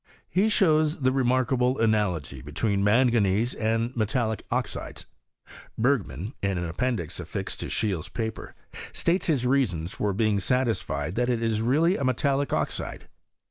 He shows the remarkable analogy between manganese and metallic oxides. Bergman, in an appendix affiled to Scheele's paper, states his reasons for being satisfied tliat it is reaUy a metallic oxide.